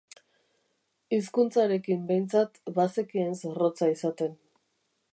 Hizkuntzarekin behintzat bazekien zorrotza izaten.